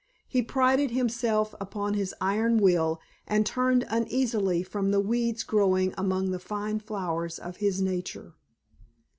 He prided himself upon his iron will and turned uneasily from the weeds growing among the fine flowers of his nature.